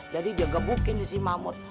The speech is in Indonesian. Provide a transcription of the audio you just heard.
jadi dia gebukin si mahmud